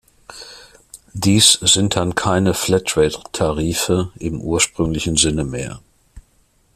Dies sind dann keine Flatrate-Tarife im ursprünglichen Sinne mehr.